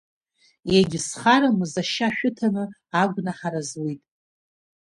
Егьзхарамыз ашьа шәыҭаны агәнаҳара зуит.